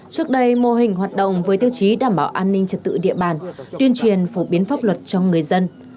trước đây mô hình hoạt động với tiêu chí đảm bảo an ninh trật tự địa bàn tuyên truyền phổ biến pháp luật cho người dân